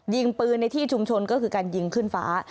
ยิงปืนในที่ชุมชนก็คือการยิงขึ้นฟ้า